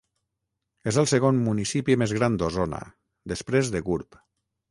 És el segon municipi més gran d'Osona, després de Gurb.